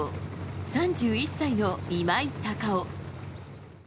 ３１歳の今井隆生。